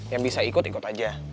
yang bisa ikut ikut aja